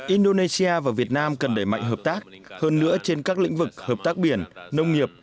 indonesia và việt nam cần đẩy mạnh hợp tác hơn nữa trên các lĩnh vực hợp tác biển nông nghiệp